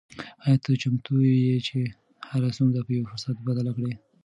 آیا ته چمتو یې چې هره ستونزه په یو فرصت بدله کړې؟